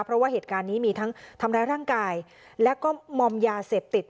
เพราะว่าเหตุการณ์นี้มีทั้งทำร้ายร่างกายแล้วก็มอมยาเสพติด